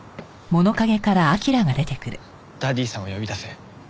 ダディさんを呼び出せ。